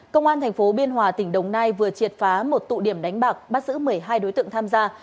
công an tp biên hòa tỉnh đồng nai vừa triệt phá một tụ điểm đánh bạc bắt giữ một mươi hai đối tượng tham gia